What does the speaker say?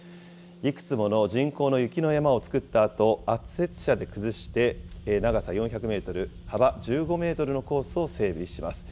いくつもの人工の雪の山を作ったあと、圧雪車で崩して、長さ４００メートル、幅１５メートルのコースを整備します。